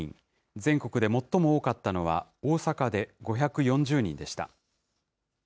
全国で最も多かったのは大阪で５４０人でした。